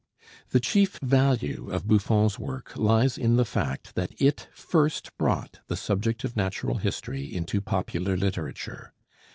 The chief value of Buffon's work lies in the fact that it first brought the subject of natural history into popular literature.